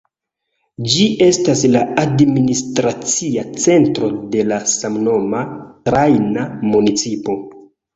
Ĝi estas la administracia centro de la samnoma Trojan Municipo.